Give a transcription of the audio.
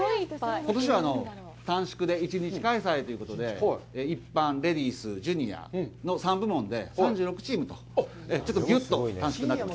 ことしは短縮で、１日開催ということで、一般、レディース、ジュニアの３部門で３６チームと、ちょっとぎゅっと短縮になっています。